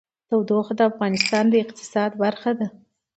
تودوخه د افغانستان د اقتصاد برخه ده.